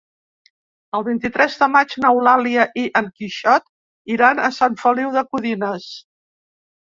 El vint-i-tres de maig n'Eulàlia i en Quixot iran a Sant Feliu de Codines.